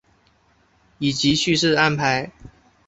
以及叙事安排